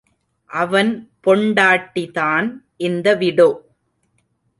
அவன் பொண்டாட்டிதான் இந்த விடோ.